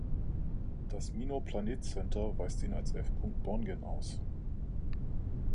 Das Minor Planet Center weist ihn als F. Borngen aus.